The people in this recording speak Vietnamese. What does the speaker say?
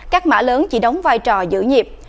các mã lớn chỉ đóng vai trò giữ nhịp